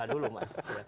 nah dulu mas